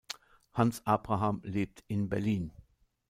Hans Abraham lebt in Berlin.